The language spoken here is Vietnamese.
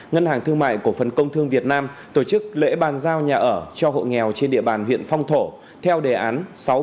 ngân hàng thương mại cổ phần công thương việt nam tổ chức lễ bàn giao nhà ở cho hộ nghèo trên địa bàn huyện phong thổ theo đề án sáu bốn năm